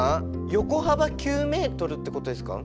横幅９メートルってことですか？